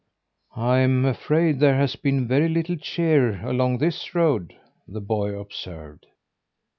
"I'm afraid there has been very little cheer along this road," the boy observed.